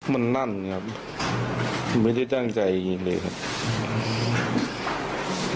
มันนั่นครับไม่ได้ตั้งใจยิงเลยครับ